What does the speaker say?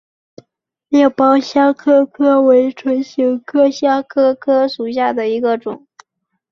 裂苞香科科为唇形科香科科属下的一个种。